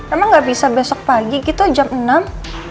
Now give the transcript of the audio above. emang gak bisa besok pagi gitu jam enam